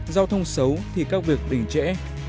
giao thông xấu thì các việc đình trệ